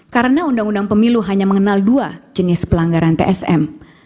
karena undang undang pemilu hanya mengenal dua jenis pelanggaran tsm